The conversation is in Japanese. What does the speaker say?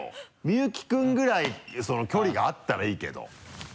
三由紀君ぐらい距離があったらいいけど。